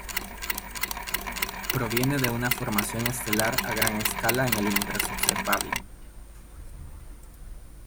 Proviene de una formación estelar a gran escala en el Universo observable.